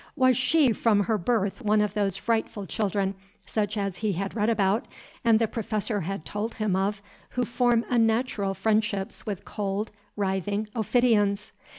Was she from her birth one of those frightful children, such as he had read about, and the Professor had told him of, who form unnatural friendships with cold, writhing ophidians?